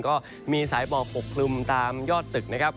ก็มีสายหมอกปกคลุมตามยอดตึกนะครับ